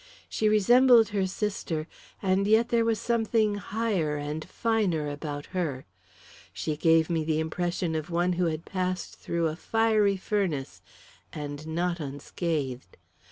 She resembled her sister, and yet there was something higher and finer about her. She gave me the impression of one who had passed through a fiery furnace and not unscathed!